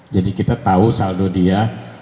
jadi kita tahu saldo dia